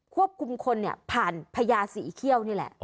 ควบคุมคนผ่านพญาสีเขี้ยวนี่แหละ